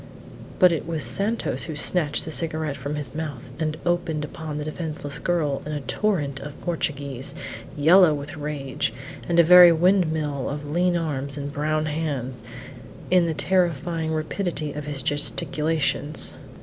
But it was Santos who snatched the cigarette from his mouth, and opened upon the defenceless girl in a torrent of Portuguese, yellow with rage, and a very windmill of lean arms and brown hands in the terrifying rapidity of his gesticulations.